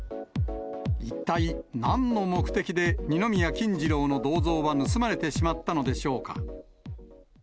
一体、なんの目的で二宮金次郎の銅像は盗まれてしまったのでしょうか。